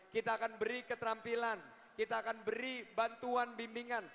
kita akan beri keterampilan kita akan beri bantuan bimbingan